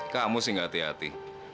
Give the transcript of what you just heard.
kamu sih ngati hati